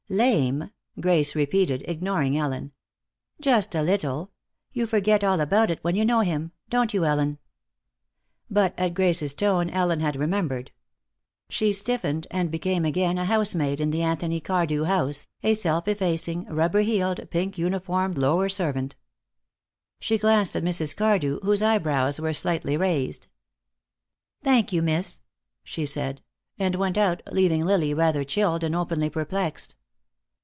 "Lame?" Grace repeated, ignoring Ellen. "Just a little. You forget all about it when you know him. Don't you, Ellen?" But at Grace's tone Ellen had remembered. She stiffened, and became again a housemaid in the Anthony Cardew house, a self effacing, rubber heeled, pink uniformed lower servant. She glanced at Mrs. Cardew, whose eyebrows were slightly raised. "Thank you, miss," she said. And went out, leaving Lily rather chilled and openly perplexed.